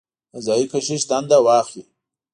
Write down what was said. د ځايي کشیش دنده واخلي.